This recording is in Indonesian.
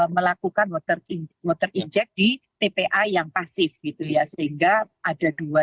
melakukan water inject di tpa yang pasif gitu ya sehingga ada mobil yang terbakar